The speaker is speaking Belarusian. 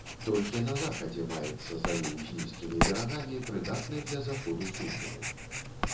Толькі на захадзе маецца заліў з нізкімі берагамі, прыдатны для заходу суднаў.